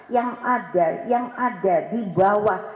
yang ada yang ada di bawah